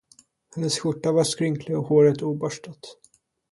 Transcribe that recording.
Hennes skjorta var skrynklig och håret oborstat.